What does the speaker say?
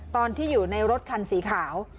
ตอนที่อยู่ในรถคันสีขาว